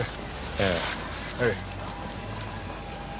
ええ。ほい。